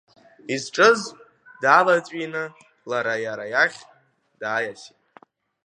Изҿыз дааваҵәины, лара иара иахь дааиасит…